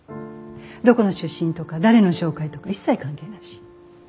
どこの出身とか誰の紹介とか一切関係なし。